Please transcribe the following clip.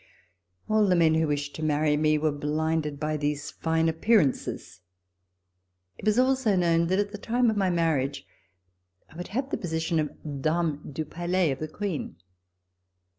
All the men who wished to marry me were blinded by these fine appearances. It was also known that, at the time of my marriage, I would have the position of Dame du Palais of the Queen.